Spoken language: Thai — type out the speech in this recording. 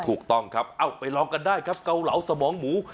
ถูกต้องครับเอ้าไปลองกันได้ครับเกาเหลาสมองหมู